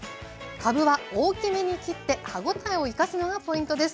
かぶは大きめに切って歯ごたえを生かすのがポイントです。